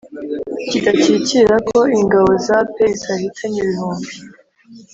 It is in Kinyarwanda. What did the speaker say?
kidakikira ko ingabo za apr zahitanye ibihumbi